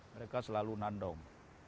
mereka selalu nandong